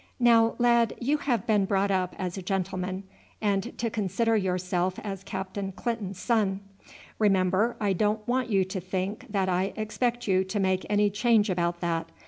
Now, lad, you have been brought up as a gentleman, and to consider yourself as Captain Clinton's son; remember, I don't want you to think that I expect you to make any change about that.